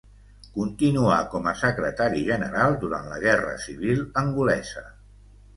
Continuà com a secretari general durant la Guerra Civil angolesa.